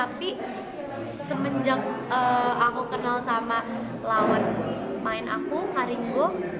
tapi semenjak aku kenal sama lawan main aku haringgo